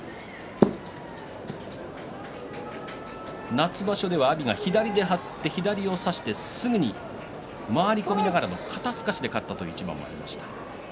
夏場所では阿炎が左で張って左を差してすぐ回り込みながらの肩すかしで勝ったという一番がありました。